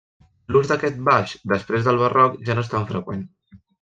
L'ús d'aquest baix després del barroc ja no és tan freqüent.